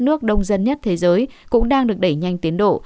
nước đông dân nhất thế giới cũng đang được đẩy nhanh tiến độ